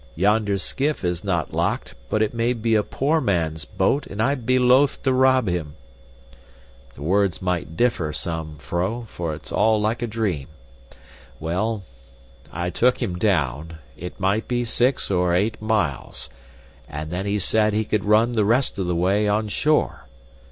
Yonder skiff is not locked, but it may be a poor man's boat and I'd be loath to rob him!' (The words might differ some, vrouw, for it's all like a dream.) Well, I took him down it might be six or eight miles and then he said he could run the rest of the way on shore.